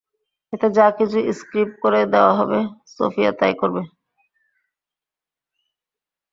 এতে যা কিছু স্ক্রিপ্ট করে দেওয়া হবে, সোফিয়া তা ই করবে।